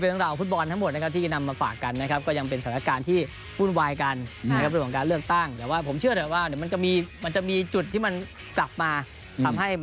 เอาเล่นไม่ดีก็ได้แต่ขอให้มีขนาดครับ